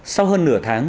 sau hơn nửa tháng